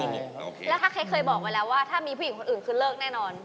แล้วถ้าเค้กเคยบอกไว้แล้วว่าถ้ามีผู้หญิงคนอื่นคือเลิกแน่นอน